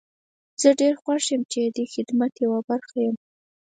زه ډير خوښ يم چې ددې خدمت يوه برخه يم.